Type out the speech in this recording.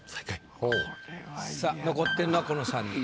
さあ残ってるのはこの三人。